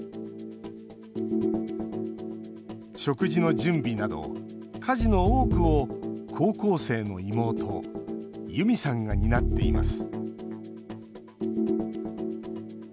食事の準備など、家事の多くを高校生の妹ユミさんが担っています。